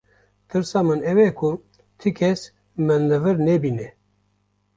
Tirsa min ew e ku ti kes min li vir nebîne.